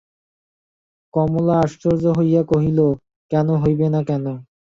কমলা আশ্চর্য হইয়া কহিল, কেন, হইবে না কেন?